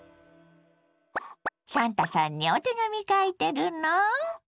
サンタさんにお手紙書いてるの？